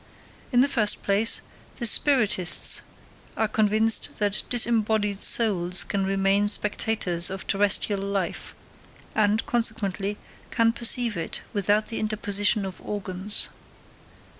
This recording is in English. In the first place, the spiritists are convinced that disembodied souls can remain spectators of terrestrial life, and, consequently, can perceive it without the interposition of organs.